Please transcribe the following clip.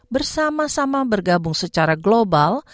bersama sama bergabung secara global